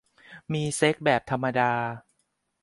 มีเซ็กส์แบบธรรมดา